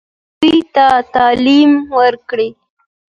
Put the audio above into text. دوی ته تعلیم ورکړئ